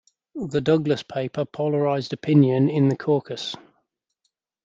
The Douglas paper polarised opinion in the caucus.